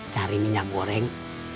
cari minyak goreng